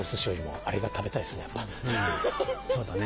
そうだね。